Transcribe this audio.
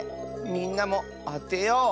みんなもあてよう！